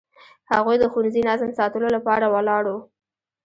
هغوی د ښوونځي نظم ساتلو لپاره ولاړ وو.